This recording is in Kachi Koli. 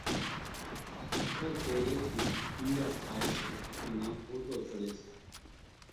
ککر ڪيڙيئيَ ٿِي پيڙا ٿائيَ سي انين ۿوزو سڙيَ سي۔